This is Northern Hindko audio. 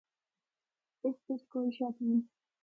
اس بچ کوئی شک نیں۔